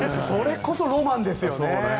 それこそロマンですよね。